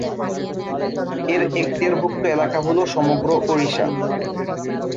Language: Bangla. এর এক্তিয়ারভুক্ত এলাকা হল সমগ্র ওড়িশা।